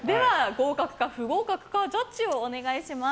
合格か不合格かジャッジをお願いします。